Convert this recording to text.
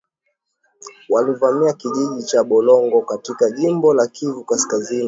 Walivamia kijiji cha Bulongo katika jimbo la Kivu kaskazini.